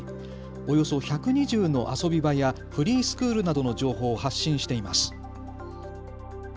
およそ１２０の遊び場やフリースクールなどの情報を発信しています。